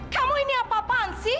kamu ini apa apaan sih